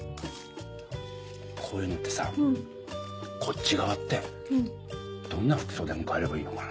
こういうのってさこっち側ってどんな服装で迎えればいいのかな。